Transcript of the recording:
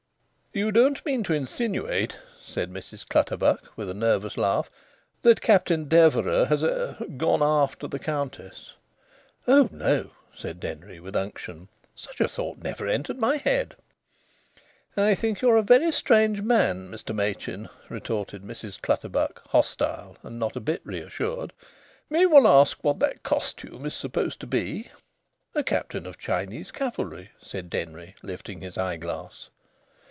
"You don't mean to insinuate," said Mrs Clutterbuck, with a nervous laugh, "that Captain Deverax has er gone after the Countess?" "Oh no!" said Denry, with unction. "Such a thought never entered my head." "I think you're a very strange man, Mr Machin," retorted Mrs Clutterbuck, hostile and not a bit reassured. "May one ask what that costume is supposed to be?" "A Captain of Chinese cavalry," said Denry, lifting his eyeglass.